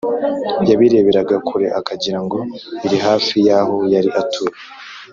yabireberaga kure akagira ngo biri hafi y’aho yari atuye